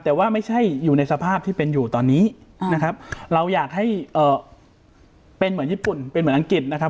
แต่ว่าไม่ใช่อยู่ในสภาพที่เป็นอยู่ตอนนี้นะครับเราอยากให้เป็นเหมือนญี่ปุ่นเป็นเหมือนอังกฤษนะครับ